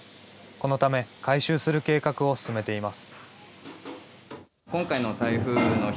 このため改修する計画を進めています。